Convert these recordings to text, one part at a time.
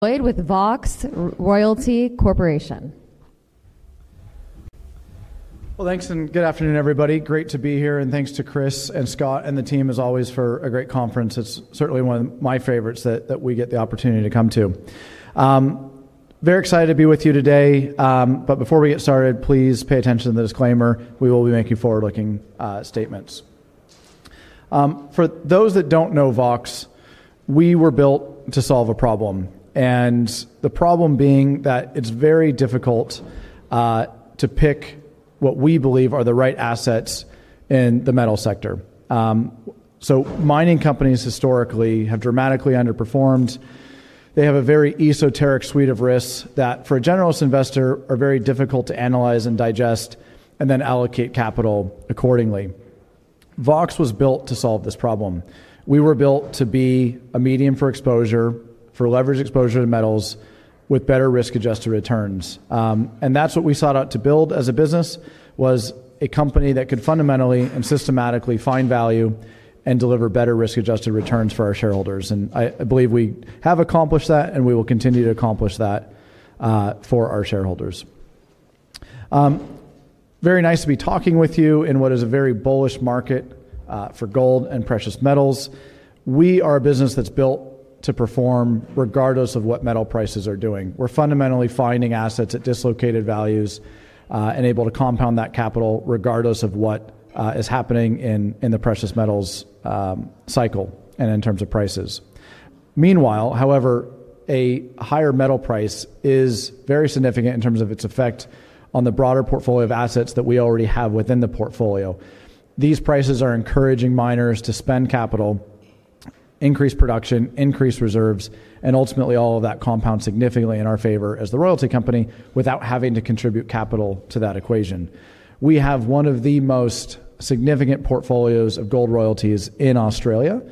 Floyd with Vox Royalty Corp. Thanks, and good afternoon, everybody. Great to be here, and thanks to Chris and Scott and the team, as always, for a great conference. It's certainly one of my favorites that we get the opportunity to come to. Very excited to be with you today, but before we get started, please pay attention to the disclaimer. We will be making forward-looking statements. For those that don't know Vox Royalty Corp., we were built to solve a problem, and the problem being that it's very difficult to pick what we believe are the right assets in the metal sector. Mining companies historically have dramatically underperformed. They have a very esoteric suite of risks that, for a generalist investor, are very difficult to analyze and digest and then allocate capital accordingly. Vox Royalty Corp. was built to solve this problem. We were built to be a medium for exposure, for leveraged exposure to metals, with better risk-adjusted returns. That's what we sought out to build as a business, a company that could fundamentally and systematically find value and deliver better risk-adjusted returns for our shareholders. I believe we have accomplished that, and we will continue to accomplish that for our shareholders. Very nice to be talking with you in what is a very bullish market for gold and precious metals. We are a business that's built to perform regardless of what metal prices are doing. We're fundamentally finding assets at dislocated values and able to compound that capital regardless of what is happening in the precious metals cycle and in terms of prices. Meanwhile, however, a higher metal price is very significant in terms of its effect on the broader portfolio of assets that we already have within the portfolio. These prices are encouraging miners to spend capital, increase production, increase reserves, and ultimately, all of that compounds significantly in our favor as the royalty company without having to contribute capital to that equation. We have one of the most significant portfolios of gold royalties in Australia,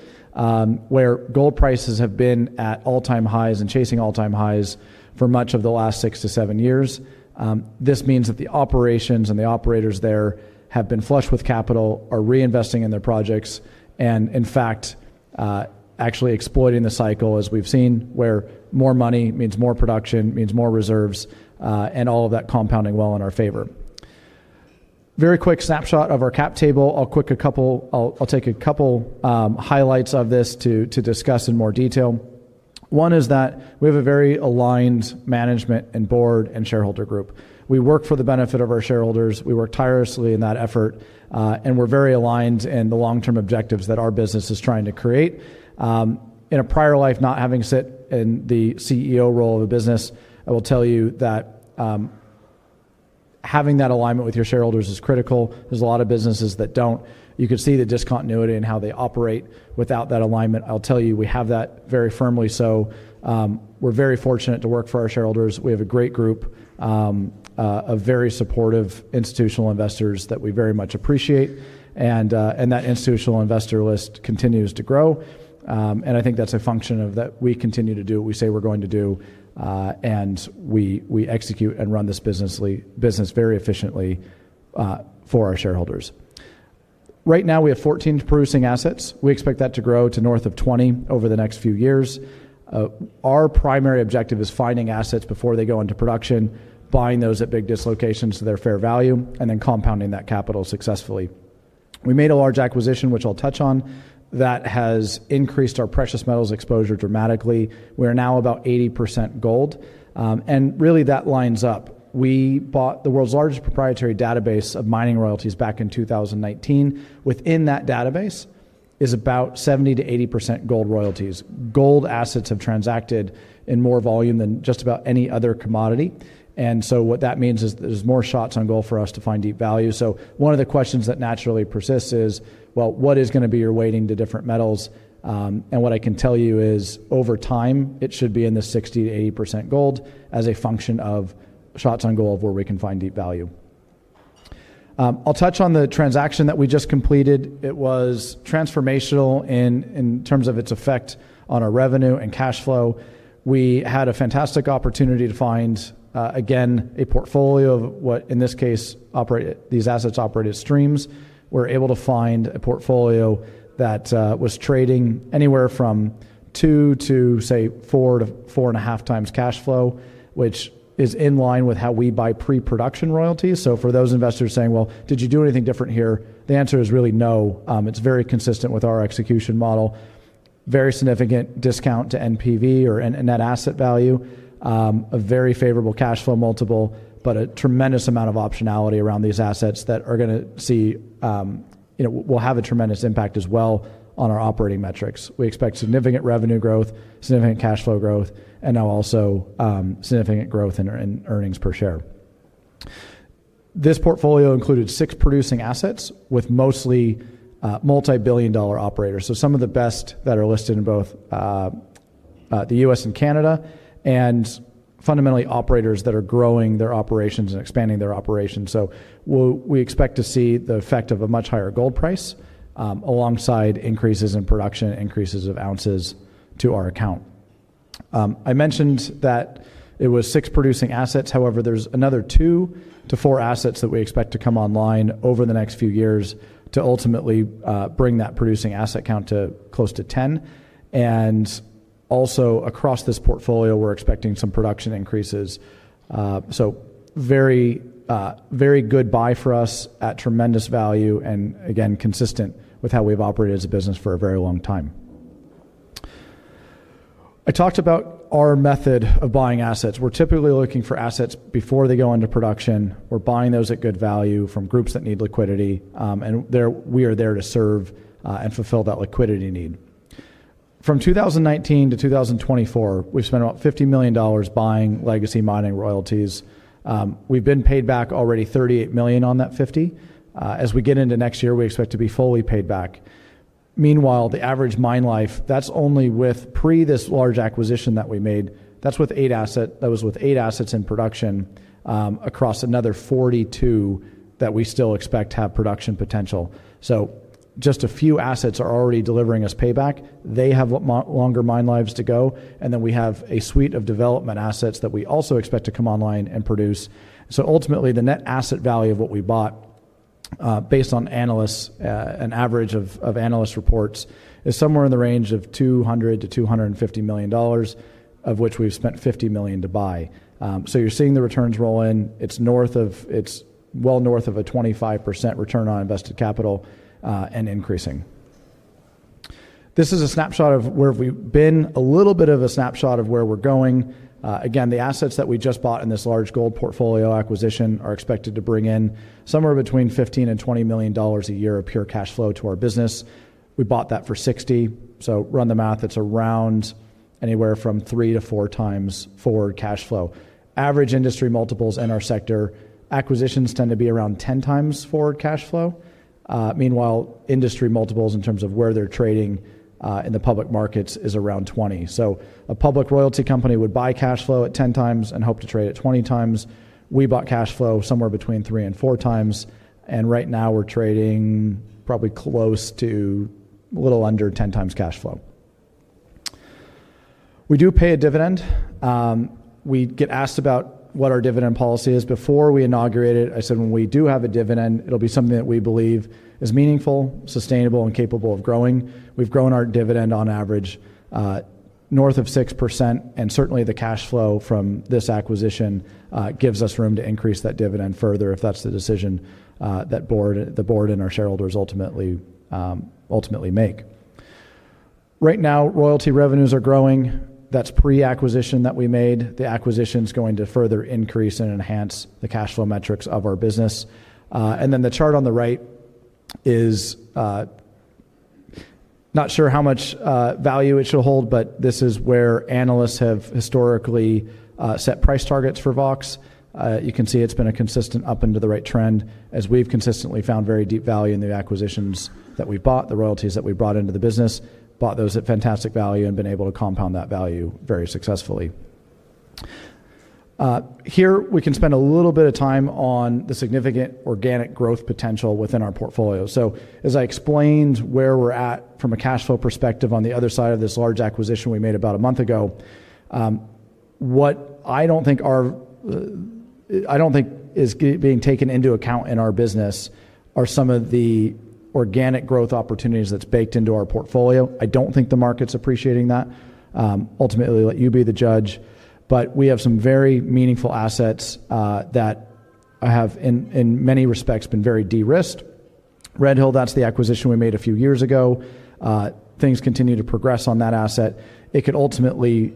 where gold prices have been at all-time highs and chasing all-time highs for much of the last six to seven years. This means that the operations and the operators there have been flush with capital, are reinvesting in their projects, and in fact, actually exploiting the cycle, as we've seen, where more money means more production, means more reserves, and all of that compounding well in our favor. Very quick snapshot of our cap table. I'll take a couple highlights of this to discuss in more detail. One is that we have a very aligned management and board and shareholder group. We work for the benefit of our shareholders. We work tirelessly in that effort, and we're very aligned in the long-term objectives that our business is trying to create. In a prior life, not having sat in the CEO role of a business, I will tell you that having that alignment with your shareholders is critical. There are a lot of businesses that don't. You can see the discontinuity in how they operate without that alignment. I will tell you, we have that very firmly so. We're very fortunate to work for our shareholders. We have a great group of very supportive institutional investors that we very much appreciate, and that institutional investor list continues to grow. I think that's a function of that we continue to do what we say we're going to do, and we execute and run this business very efficiently for our shareholders. Right now, we have 14 producing assets. We expect that to grow to north of 20 over the next few years. Our primary objective is finding assets before they go into production, buying those at big dislocations to their fair value, and then compounding that capital successfully. We made a large acquisition, which I'll touch on, that has increased our precious metals exposure dramatically. We are now about 80% gold, and really, that lines up. We bought the world's largest proprietary database of mining royalties back in 2019. Within that database is about 70%-80% gold royalties. Gold assets have transacted in more volume than just about any other commodity, and what that means is there's more shots on gold for us to find deep value. One of the questions that naturally persists is, what is going to be your weighting to different metals? What I can tell you is, over time, it should be in the 60%-80% gold as a function of shots on gold of where we can find deep value. I'll touch on the transaction that we just completed. It was transformational in terms of its effect on our revenue and cash flow. We had a fantastic opportunity to find, again, a portfolio of what, in this case, these assets operated streams. We're able to find a portfolio that was trading anywhere from 2x to, say, 4x-4.5x cash flow, which is in line with how we buy pre-production royalties. For those investors saying, did you do anything different here? The answer is really no. It's very consistent with our execution model. Very significant discount to net asset value, a very favorable cash flow multiple, but a tremendous amount of optionality around these assets that are going to see, will have a tremendous impact as well on our operating metrics. We expect significant revenue growth, significant cash flow growth, and now also significant growth in earnings per share. This portfolio included six producing assets with mostly multibillion-dollar operators, some of the best that are listed in both the U.S. and Canada, and fundamentally, operators that are growing their operations and expanding their operations. We expect to see the effect of a much higher gold price alongside increases in production, increases of ounces to our account. I mentioned that it was six producing assets. However, there's another two to four assets that we expect to come online over the next few years to ultimately bring that producing asset count to close to 10. Also, across this portfolio, we're expecting some production increases. Very good buy for us at tremendous value and, again, consistent with how we've operated as a business for a very long time. I talked about our method of buying assets. We're typically looking for assets before they go into production. We're buying those at good value from groups that need liquidity, and we are there to serve and fulfill that liquidity need. From 2019 to 2024, we've spent about $50 million buying legacy mining royalties. We've been paid back already $38 million on that $50 million. As we get into next year, we expect to be fully paid back. Meanwhile, the average mine life, that's only with pre this large acquisition that we made, that was with eight assets in production across another 42 that we still expect to have production potential. Just a few assets are already delivering us payback. They have longer mine lives to go, and then we have a suite of development assets that we also expect to come online and produce. Ultimately, the net asset value of what we bought, based on analysts' and average of analysts' reports, is somewhere in the range of $200 million-$250 million, of which we've spent $50 million to buy. You're seeing the returns roll in. It's well north of a 25% return on invested capital and increasing. This is a snapshot of where we've been, a little bit of a snapshot of where we're going. Again, the assets that we just bought in this large gold portfolio acquisition are expected to bring in somewhere between $15 million-$20 million a year of pure cash flow to our business. We bought that for $60 million. Run the math, it's around anywhere from 3x-4x forward cash flow. Average industry multiples in our sector, acquisitions tend to be around 10x forward cash flow. Meanwhile, industry multiples in terms of where they're trading in the public markets is around 20x. A public royalty company would buy cash flow at 10x and hope to trade at 20x. We bought cash flow somewhere between 3x-4x, and right now, we're trading probably close to a little under 10x cash flow. We do pay a dividend. We get asked about what our dividend policy is. Before we inaugurated, I said when we do have a dividend, it'll be something that we believe is meaningful, sustainable, and capable of growing. We've grown our dividend on average north of 6%, and certainly, the cash flow from this acquisition gives us room to increase that dividend further if that's the decision that the board and our shareholders ultimately make. Right now, royalty revenues are growing. That's pre-acquisition that we made. The acquisition's going to further increase and enhance the cash flow metrics of our business. The chart on the right is not sure how much value it should hold, but this is where analysts have historically set price targets for Vox. You can see it's been a consistent up-and-to-the-right trend, as we've consistently found very deep value in the acquisitions that we've bought, the royalties that we've brought into the business, bought those at fantastic value, and been able to compound that value very successfully. Here, we can spend a little bit of time on the significant organic growth potential within our portfolio. As I explained where we're at from a cash flow perspective on the other side of this large acquisition we made about a month ago, what I don't think is being taken into account in our business are some of the organic growth opportunities that's baked into our portfolio. I don't think the market's appreciating that. Ultimately, let you be the judge, but we have some very meaningful assets that have, in many respects, been very de-risked. Redhill, that's the acquisition we made a few years ago. Things continue to progress on that asset. It could ultimately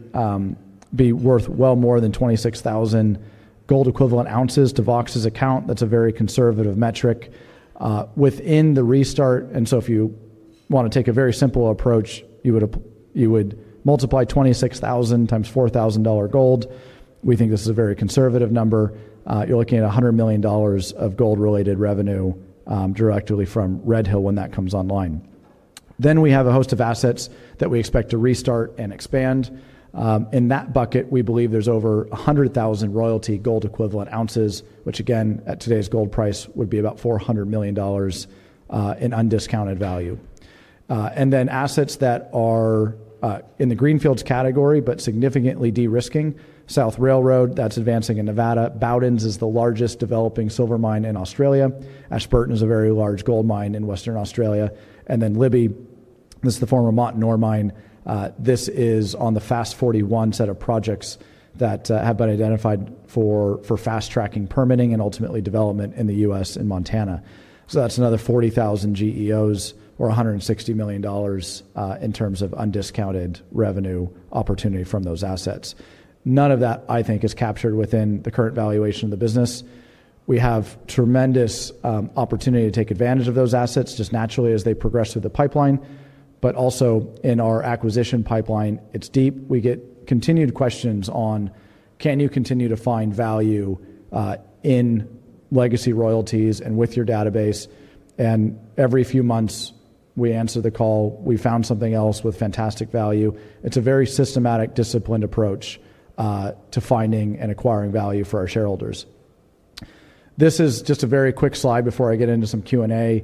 be worth well more than 26,000 gold-equivalent ounces to Vox's account. That's a very conservative metric. Within the restart, if you want to take a very simple approach, you would multiply 26,000 x $4,000 gold. We think this is a very conservative number. You're looking at $100 million of gold-related revenue directly from Redhill when that comes online. We have a host of assets that we expect to restart and expand. In that bucket, we believe there's over 100,000 royalty gold-equivalent ounces, which, at today's gold price, would be about $400 million in undiscounted value. Assets that are in the greenfields category, but significantly de-risking: South Railroad, that's advancing in Nevada; Bowden’s is the largest developing silver mine in Australia; Ashburton is a very large gold mine in Western Australia; and Libby, that's the former Montnor mine, this is on the FAST41 set of projects that have been identified for fast-tracking permitting and ultimately development in the U.S. in Montana. That's another 40,000 GEOs or $160 million in terms of undiscounted revenue opportunity from those assets. None of that, I think, is captured within the current valuation of the business. We have tremendous opportunity to take advantage of those assets just naturally as they progress through the pipeline, but also in our acquisition pipeline, it's deep. We get continued questions on, can you continue to find value in legacy royalties and with your database? Every few months, we answer the call, we found something else with fantastic value. It's a very systematic, disciplined approach to finding and acquiring value for our shareholders. This is just a very quick slide before I get into some Q&A.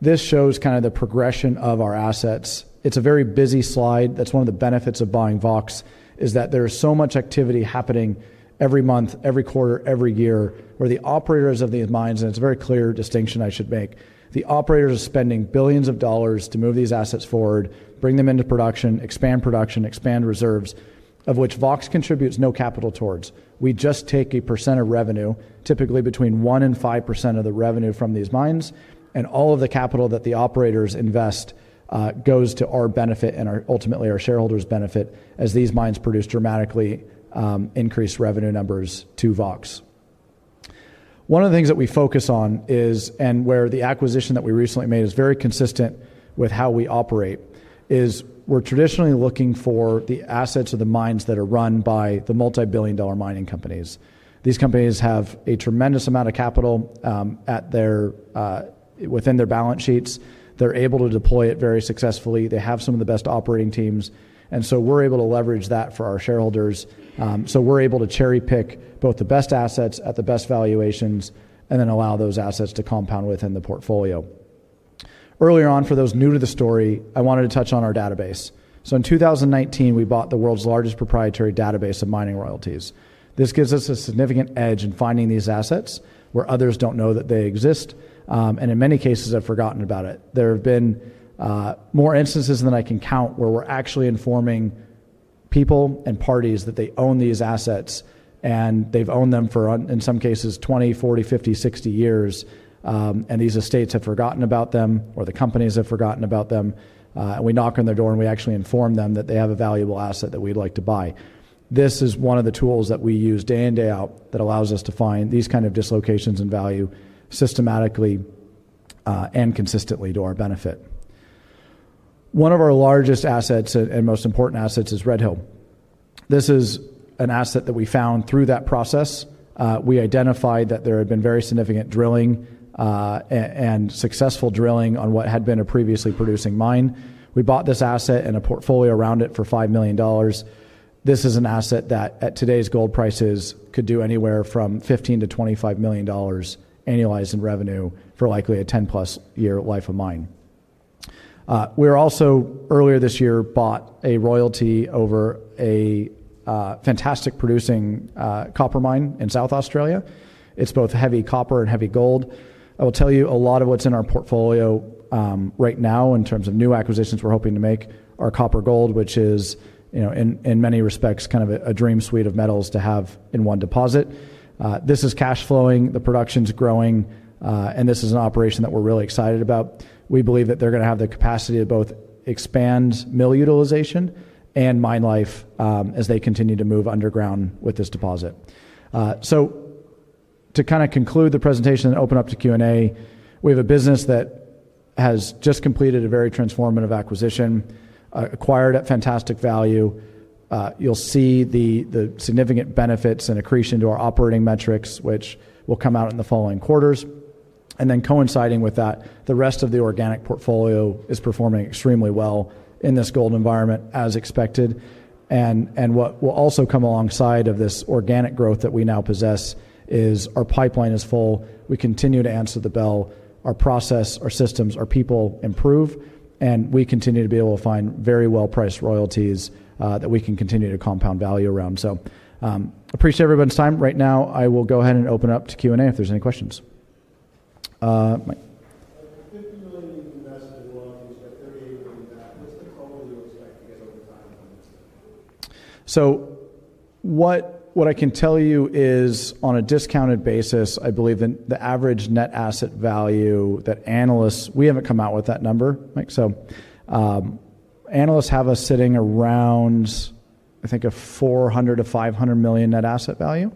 This shows the progression of our assets. It's a very busy slide. That's one of the benefits of buying Vox, is that there's so much activity happening every month, every quarter, every year where the operators of these mines, and it's a very clear distinction I should make, the operators are spending billions of dollars to move these assets forward, bring them into production, expand production, expand reserves, of which Vox contributes no capital towards. We just take a % of revenue, typically between 1% and 5% of the revenue from these mines, and all of the capital that the operators invest goes to our benefit and ultimately our shareholders' benefit as these mines produce dramatically increased revenue numbers to Vox. One of the things that we focus on is, and where the acquisition that we recently made is very consistent with how we operate, is we're traditionally looking for the assets of the mines that are run by the multibillion-dollar mining companies. These companies have a tremendous amount of capital within their balance sheets. They're able to deploy it very successfully. They have some of the best operating teams, and we're able to leverage that for our shareholders. We're able to cherry-pick both the best assets at the best valuations and then allow those assets to compound within the portfolio. Earlier on, for those new to the story, I wanted to touch on our database. In 2019, we bought the world's largest proprietary database of mining royalties. This gives us a significant edge in finding these assets where others don't know that they exist, and in many cases, have forgotten about it. There have been more instances than I can count where we're actually informing people and parties that they own these assets, and they've owned them for, in some cases, 20, 40, 50, 60 years, and these estates have forgotten about them, or the companies have forgotten about them, and we knock on their door, and we actually inform them that they have a valuable asset that we'd like to buy. This is one of the tools that we use day in, day out that allows us to find these kinds of dislocations in value systematically and consistently to our benefit. One of our largest assets and most important assets is Redhill. This is an asset that we found through that process. We identified that there had been very significant drilling and successful drilling on what had been a previously producing mine. We bought this asset and a portfolio around it for $5 million. This is an asset that, at today's gold prices, could do anywhere from $15 million-$25 million annualized in revenue for likely a 10+ year life of mine. We are also, earlier this year, bought a royalty over a fantastic producing copper mine in South Australia. It's both heavy copper and heavy gold. I will tell you a lot of what's in our portfolio right now in terms of new acquisitions we're hoping to make are copper gold, which is, in many respects, kind of a dream suite of metals to have in one deposit. This is cash flowing, the production's growing, and this is an operation that we're really excited about. We believe that they're going to have the capacity to both expand mill utilization and mine life as they continue to move underground with this deposit. To conclude the presentation and open up to Q&A, we have a business that has just completed a very transformative acquisition, acquired at fantastic value. You'll see the significant benefits and accretion to our operating metrics, which will come out in the following quarters. Coinciding with that, the rest of the organic portfolio is performing extremely well in this gold environment, as expected. What will also come alongside this organic growth that we now possess is our pipeline is full. We continue to answer the bell. Our process, our systems, our people improve, and we continue to be able to find very well-priced royalties that we can continue to compound value around. I appreciate everybody's time. Right now, I will go ahead and open up to Q&A if there's any questions. If you're $50 million invested in royalties, you've got $38 million back. What's the total you expect to get over time from this? What I can tell you is, on a discounted basis, I believe that the average net asset value that analysts, we haven't come out with that number, Mike, so analysts have us sitting around, I think, a $400 million-$500 million net asset value.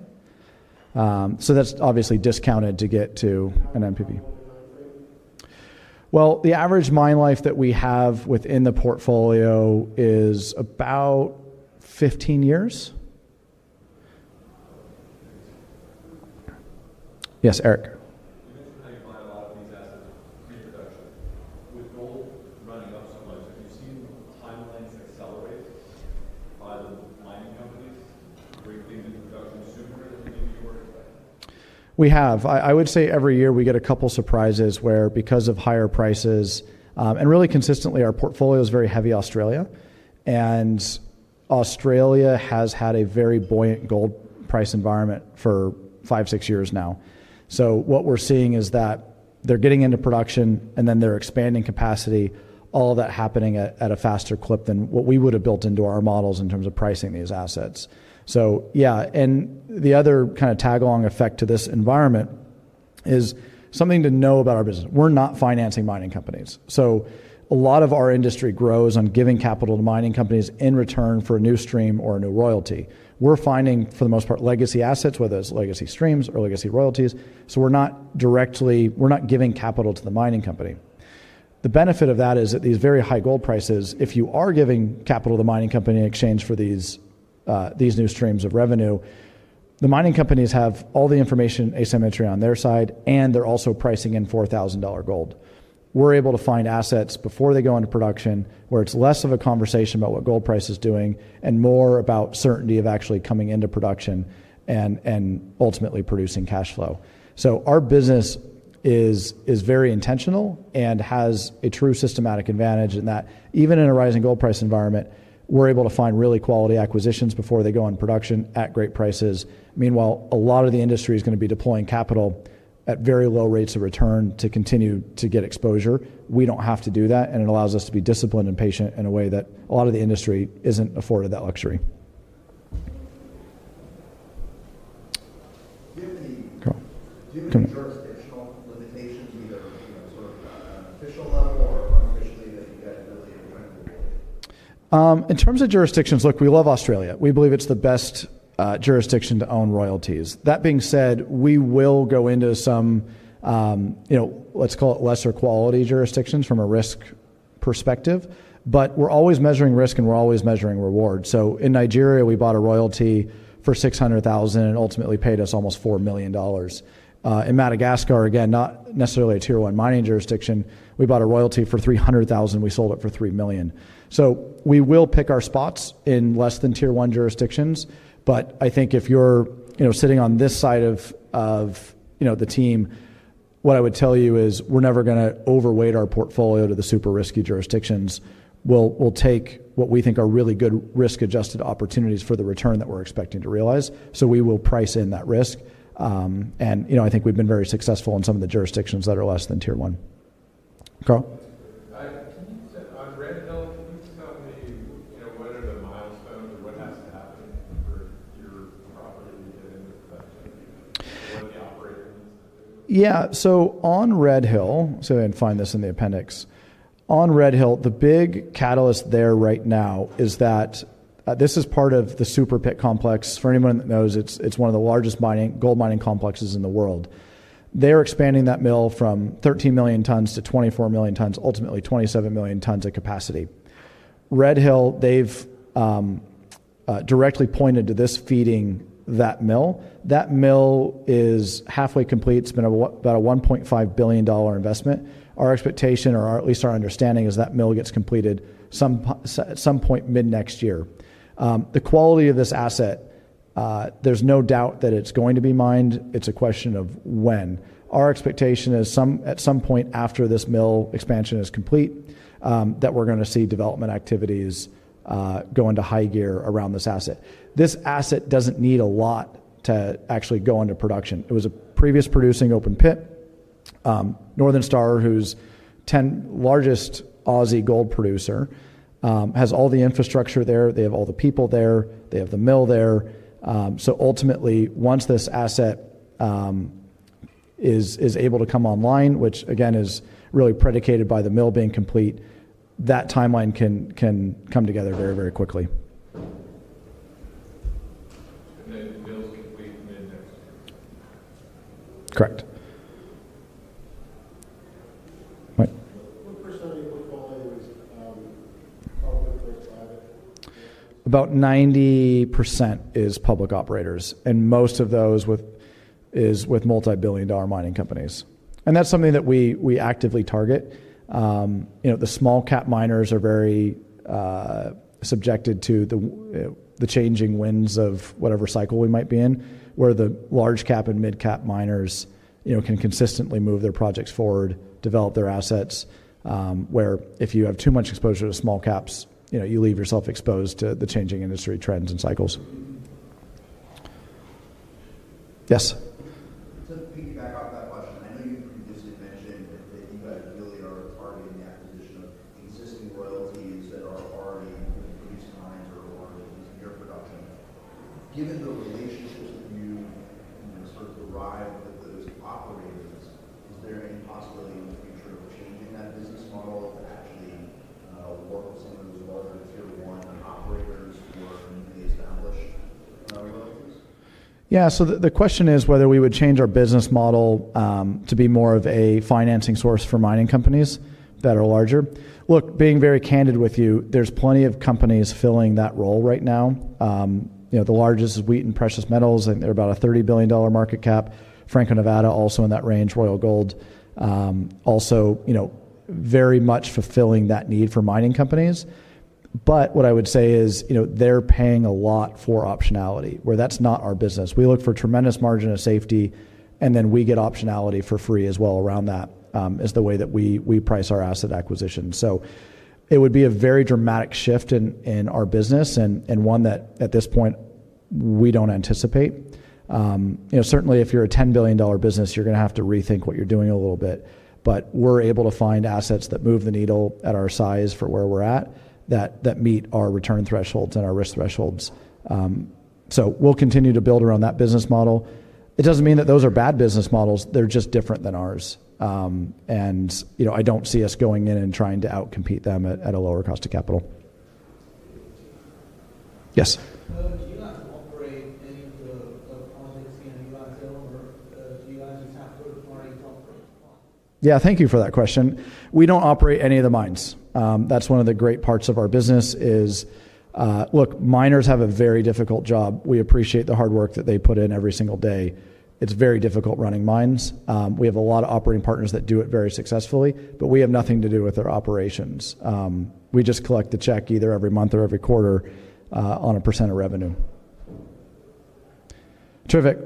That's obviously discounted to get to an NPV. How long does that take? The average mine life that we have within the portfolio is about 15 years. Yes, Eric. You mentioned that you buy a lot of these assets pre-production. With gold running up so much, have you seen timelines accelerate by the mining companies bringing in production sooner than maybe you were expecting? We have. I would say every year, we get a couple surprises where, because of higher prices, and really consistently, our portfolio is very heavy Australia, and Australia has had a very buoyant gold price environment for five, six years now. What we're seeing is that they're getting into production, and then they're expanding capacity, all of that happening at a faster clip than what we would have built into our models in terms of pricing these assets. Yeah, and the other kind of tag-along effect to this environment is something to know about our business. We're not financing mining companies. A lot of our industry grows on giving capital to mining companies in return for a new stream or a new royalty. We're finding, for the most part, legacy assets, whether it's legacy streams or legacy royalties. We're not directly, we're not giving capital to the mining company. The benefit of that is that these very high gold prices, if you are giving capital to the mining company in exchange for these new streams of revenue, the mining companies have all the information asymmetry on their side, and they're also pricing in $4,000 gold. We're able to find assets before they go into production where it's less of a conversation about what gold price is doing and more about certainty of actually coming into production and ultimately producing cash flow. Our business is very intentional and has a true systematic advantage in that, even in a rising gold price environment, we're able to find really quality acquisitions before they go into production at great prices. Meanwhile, a lot of the industry is going to be deploying capital at very low rates of return to continue to get exposure. We don't have to do that, and it allows us to be disciplined and patient in a way that a lot of the industry isn't afforded that luxury. Do you have any jurisdictional limitations, either sort of at an official level or unofficially, that you've got the ability to kind of avoid? In terms of jurisdictions, look, we love Australia. We believe it's the best jurisdiction to own royalties. That being said, we will go into some, let's call it lesser quality jurisdictions from a risk perspective, but we're always measuring risk, and we're always measuring reward. In Nigeria, we bought a royalty for $600,000 and ultimately paid us almost $4 million. In Madagascar, again, not necessarily a Tier 1 mining jurisdiction, we bought a royalty for $300,000. We sold it for $3 million. We will pick our spots in less than Tier 1 jurisdictions, but I think if you're sitting on this side of the team, what I would tell you is we're never going to overweight our portfolio to the super risky jurisdictions. We'll take what we think are really good risk-adjusted opportunities for the return that we're expecting to realize. We will price in that risk, and I think we've been very successful in some of the jurisdictions that are less than Tier 1. Can you tell me, what are the milestones or what has to happen for your property to get into production? Do you know what the operating needs have been? Yeah, so on Redhill, I'll see if I can find this in the appendix. On Redhill, the big catalyst there right now is that this is part of the Super Pit Complex. For anyone that knows, it's one of the largest gold mining complexes in the world. They're expanding that mill from 13 million tons-24 million tons, ultimately 27 million tons of capacity. Redhill, they've directly pointed to this feeding that mill. That mill is halfway complete. It's been about a $1.5 billion investment. Our expectation, or at least our understanding, is that mill gets completed at some point mid-next year. The quality of this asset, there's no doubt that it's going to be mined. It's a question of when. Our expectation is at some point after this mill expansion is complete that we're going to see development activities go into high gear around this asset. This asset doesn't need a lot to actually go into production. It was a previous producing open pit. Northern Star, who's 10th largest Aussie gold producer, has all the infrastructure there. They have all the people there. They have the mill there. Ultimately, once this asset is able to come online, which, again, is really predicated by the mill being complete, that timeline can come together very, very quickly. Is the mill complete mid-next year? Correct. What % of your portfolio is public or private? About 90% is public operators, and most of those is with multibillion-dollar mining companies. That is something that we actively target. The small-cap miners are very subjected to the changing winds of whatever cycle we might be in, where the large-cap and mid-cap miners can consistently move their projects forward, develop their assets. If you have too much exposure to small caps, you leave yourself exposed to the changing industry trends and cycles. Yes? What I would say is they're paying a lot for optionality, where that's not our business. We look for tremendous margin of safety, and then we get optionality for free as well around that is the way that we price our asset acquisition. It would be a very dramatic shift in our business and one that, at this point, we don't anticipate. Certainly, if you're a $10 billion business, you're going to have to rethink what you're doing a little bit, but we're able to find assets that move the needle at our size for where we're at that meet our return thresholds and our risk thresholds. We'll continue to build around that business model. It doesn't mean that those are bad business models. They're just different than ours, and I don't see us going in and trying to outcompete them at a lower cost of capital. Yes? Do you guys operate any of the projects here in Redhill, or do you guys just have third-party? Thank you for that question. We don't operate any of the mines. That's one of the great parts of our business is, look, miners have a very difficult job. We appreciate the hard work that they put in every single day. It's very difficult running mines. We have a lot of operating partners that do it very successfully, but we have nothing to do with their operations. We just collect the check either every month or every quarter on a % of revenue. Terrific.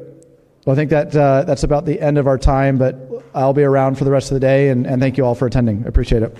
I think that's about the end of our time, but I'll be around for the rest of the day, and thank you all for attending. I appreciate it.